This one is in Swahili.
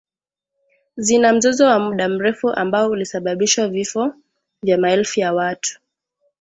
zina mzozo wa muda mrefu ambao ulisababishwa vifo vya maelfu ya watu